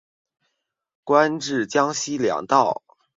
官至江西粮道。